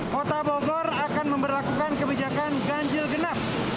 kota bogor akan memperlakukan kebijakan ganjil genap